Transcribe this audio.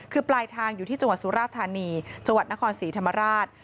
คือปลายทางอยู่ที่จังหวัดสุราธานีจังหวัดนครศรีธรรมราช